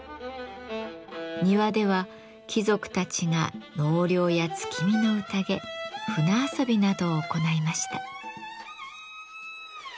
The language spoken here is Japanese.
庭では貴族たちが納涼や月見のうたげ舟遊びなどを行いました。